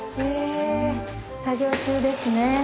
作業中ですね。